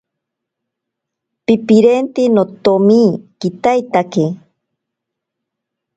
Pipirinte notomi kitaitake.